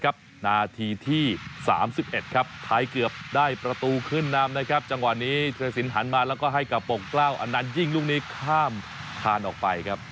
ก็จะทำกากเป็นพอรพฤตของทีมชาติไทยไปลองฟังบางตอนกันครับ